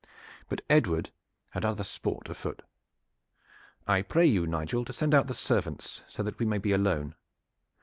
But Edward had other sport afoot. "I pray you, Nigel, to send out the servants, so that we may be alone.